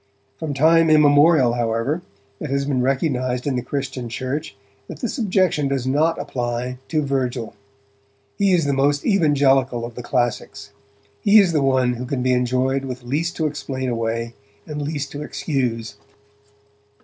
From time immemorial, however, it has been recognized in the Christian church that this objection does not apply to Virgil. He is the most evangelical of the classics; he is the one who can be enjoyed with least to explain away and least to excuse.